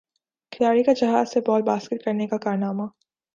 کھلاڑی کا جہاز سے بال باسکٹ کرنے کا کارنامہ